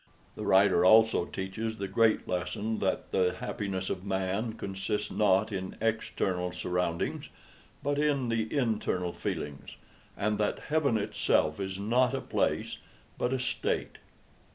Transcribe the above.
The writer also teaches the great lesson that the happiness of man consists not in external surroundings, but in the internal feelings, and that heaven itself is not a place, but a state.